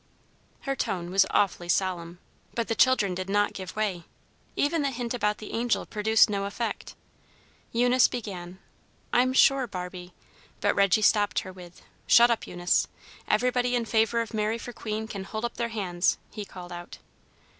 Her tone was awfully solemn, but the children did not give way. Even the hint about the angel produced no effect. Eunice began, "I'm sure, Barbie " but Reggy stopped her with, "Shut up, Eunice! Everybody in favor of Mary for queen, can hold up their hands," he called out.